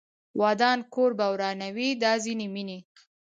ودان کور به ورانوي دا ځینې مینې